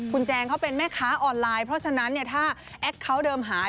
คุณแจงเขาเป็นแม่ค้าออนไลน์เพราะฉะนั้นเนี่ยถ้าแอคเคาน์เดิมหาย